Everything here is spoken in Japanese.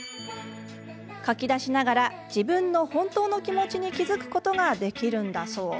書き出しながら自分の本当の気持ちに気付くことができるんだそう。